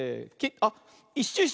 あっ。